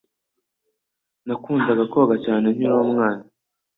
Nakundaga koga cyane nkiri umwana.